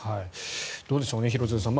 どうでしょう廣津留さん